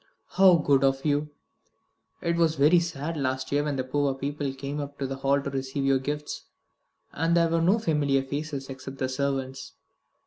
"How good of you! It was very sad last year when the poor people came up to the Hall to receive your gifts, and there were no familiar faces, except the servants.